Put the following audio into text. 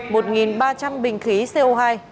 hai viên đạn cao bình khí co hai